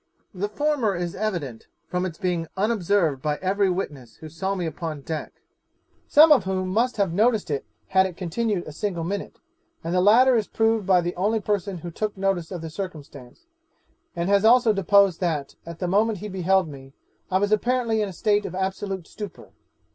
The former is evident, from its being unobserved by every witness who saw me upon deck, some of whom must have noticed it had it continued a single minute; and the latter is proved by the only person who took notice of the circumstance, and has also deposed that, at the moment he beheld me, I was apparently in a state of absolute stupor.